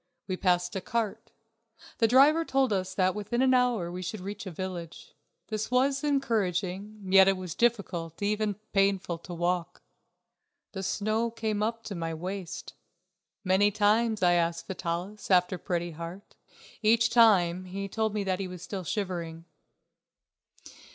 We passed a cart; the driver told us that within an hour we should reach a village. This was encouraging, yet it was difficult, even painful, to walk. The snow came up to my waist. Many times I asked Vitalis after Pretty Heart. Each time he told me that he was still shivering.